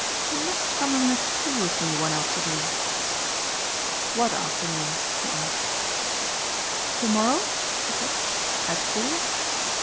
You must come and have tea with me one afternoon." "What afternoon?" he asked. "To morrow," she said, "at four."